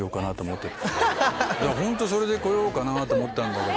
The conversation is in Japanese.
本当はそれで来ようかなと思ったんだけど。